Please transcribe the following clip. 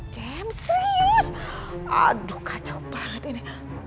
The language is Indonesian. james aduh kacau banget ini